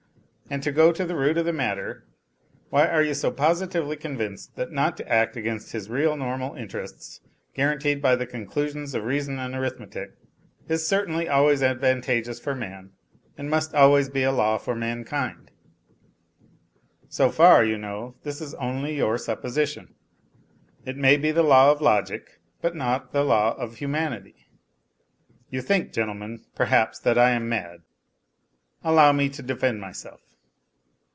And to go to the root of the matter, why are you so positively convinced that not to act against his real normal interests guaranteed by the conclusions of reason and arith metic is certainly always advantageous for man and must always be a law for mankind ? So far, you know, this is only your supposition. It may be the law of logic, but not the law of humanity. You think, gentlemen, perhaps that I am mad ? Allow me to defend myself.